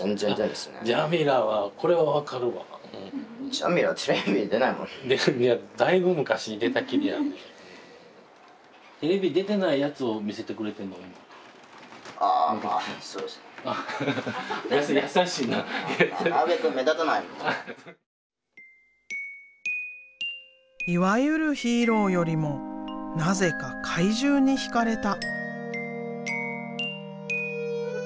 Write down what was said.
ジャミラはいわゆるヒーローよりもなぜか怪獣に惹かれた。